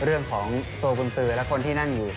เพราะว่าของสมสรษนหรือคนทำทีม